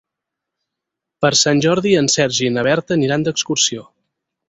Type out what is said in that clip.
Per Sant Jordi en Sergi i na Berta aniran d'excursió.